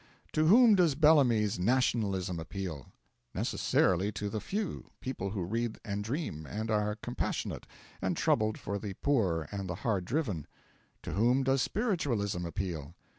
To whom does Bellamy's 'Nationalism' appeal? Necessarily to the few: people who read and dream, and are compassionate, and troubled for the poor and the hard driven. To whom does Spiritualism appeal?